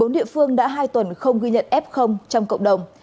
một mươi bốn địa phương đã hai tuần không ghi nhận f trong cộng đồng